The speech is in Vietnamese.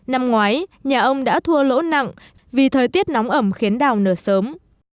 năm ngoái nhà ông đã thua lỗ nặng vì thời tiết nóng ẩm khiến đào nở sớm